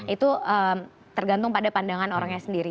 itu tergantung pada pandangan orangnya sendiri